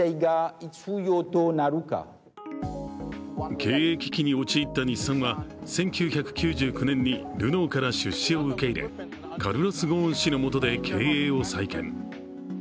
経営危機に陥った日産は１９９９年にルノーから出資を受け入れカルロス・ゴーン氏の下で経営を再建。